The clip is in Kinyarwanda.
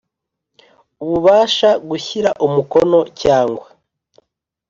Ububasha gushyira umukono cyangwa